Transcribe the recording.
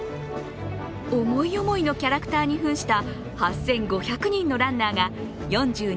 思い思いのキャラクターに扮した８５００人のランナーが４２．１９５